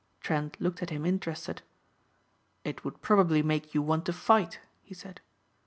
Trent looked at him interested. "It would probably make you want to fight," he said.